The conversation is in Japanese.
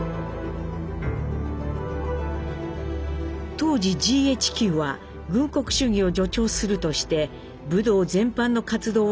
当時ＧＨＱは軍国主義を助長するとして武道全般の活動を禁止していました。